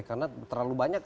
karena terlalu banyak